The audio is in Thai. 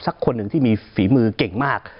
สักคนหนึ่งที่มีฝีมือเก่งมาก